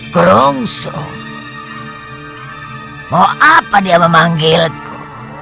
gerongso mau apa dia memanggilku